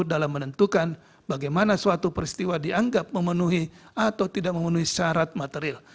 dalam menentukan bagaimana suatu peristiwa dianggap memenuhi atau tidak memenuhi syarat material